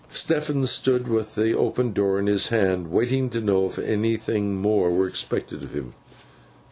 Stephen stood with the open door in his hand, waiting to know if anything more were expected of him.